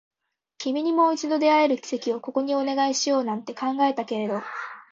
君にもう一度出会える奇跡をここにお願いしようなんて考えたけれど